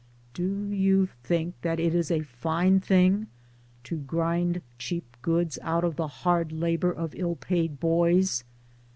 Do you think that it is a fine thing to grind cheap goods out of the hard labor of ill paid boys